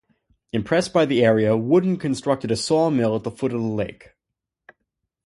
Impressed by the area, Woodin constructed a sawmill at the foot of the lake.